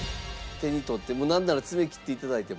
手に取ってもなんなら爪切って頂いても。